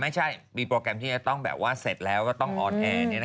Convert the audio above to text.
ไม่ใช่มีโปรแกรมที่จะต้องแบบว่าเสร็จแล้วก็ต้องออนแอร์